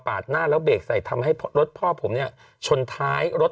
หน้าแล้วเบรกใส่ทำให้รถพ่อผมเนี่ยชนท้ายรถ